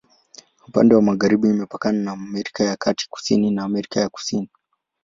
Upande wa magharibi imepakana na Amerika ya Kati, kusini na Amerika ya Kusini.